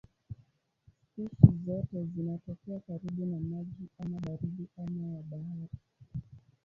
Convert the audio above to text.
Spishi zote zinatokea karibu na maji ama baridi ama ya bahari.